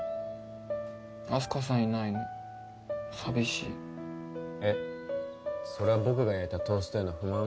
あす花さんいないの寂しいえっそれは僕が焼いたトーストへの不満？